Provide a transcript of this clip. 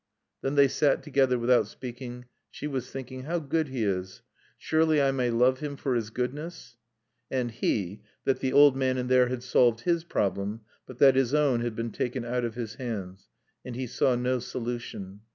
Then they sat together without speaking. She was thinking: "How good he is. Surely I may love him for his goodness?" And he that the old man in there had solved his problem, but that his own had been taken out of his hands. And he saw no solution.